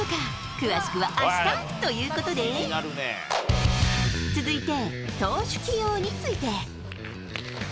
詳しくは明日ということで続いて、投手起用について。